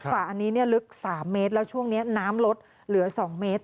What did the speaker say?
อันนี้ลึก๓เมตรแล้วช่วงนี้น้ำลดเหลือ๒เมตร